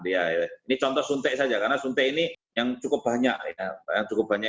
ini contoh suntik saja karena suntik ini yang cukup banyak